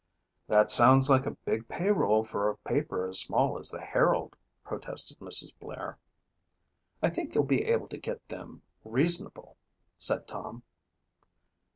"That sounds like a big payroll for a paper as small as the Herald," protested Mrs. Blair. "I think you'll be able to get them reasonable," said Tom.